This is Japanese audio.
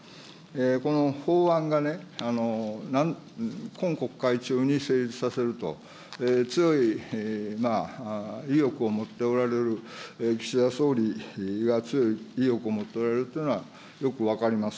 この法案が今国会中に成立させると、強い意欲を持っておられる、岸田総理が強い意欲を持っておられるというのは、よく分かります。